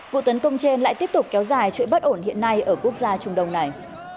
vụ tấn công trên lại tiếp tục kéo dài chuỗi bất ổn hiện nay ở quốc gia trung đông này